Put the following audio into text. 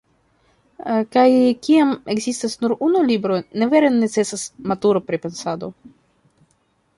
Kaj kiam ekzistas nur unu libro, ne vere necesas “matura pripensado”.